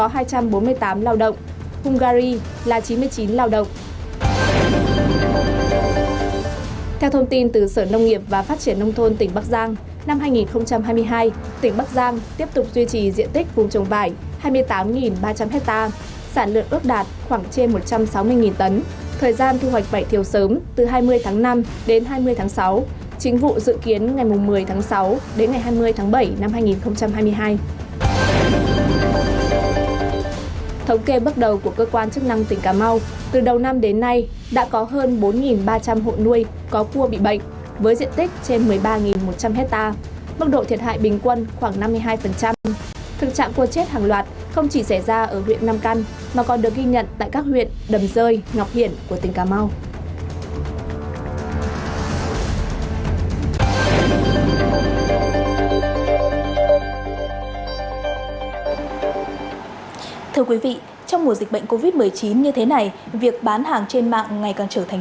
theo thông tin từ sở nông nghiệp và phát triển nông thôn tỉnh bắc giang năm hai nghìn hai mươi hai tỉnh bắc giang tiếp tục duy trì diện tích vùng trồng vải hai mươi tám ba trăm linh hectare sản lượng ước đạt khoảng trên một trăm sáu mươi tấn